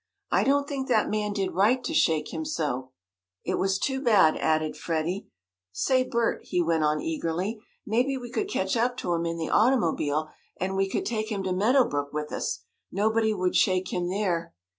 I don't think that man did right to shake him so." "It was too bad," added Freddie. "Say, Bert," he went on eagerly, "maybe we could catch up to him in the automobile, and we could take him to Meadow Brook with us. Nobody would shake him there."